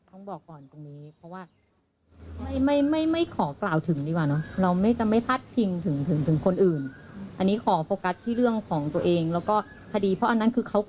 อ๋ออันนั้นก็ต้องปล่อยให้เป็นเรื่องของเขาอะค่ะ